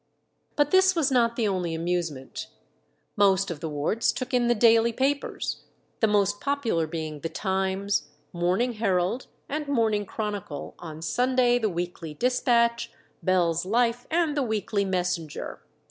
But this was not the only amusement. Most of the wards took in the daily papers, the most popular being the 'Times,' 'Morning Herald,' and 'Morning Chronicle'; on Sunday the 'Weekly Dispatch,' 'Bell's Life,' and the 'Weekly Messenger.'